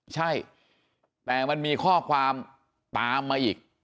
ใช่แต่มันมีข้อความตามมาอีก